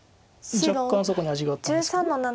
若干そこに味があったんですけど。